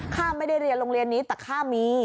ข้าไม่ได้เรียนโรงเรียนนี้แต่ข้ามี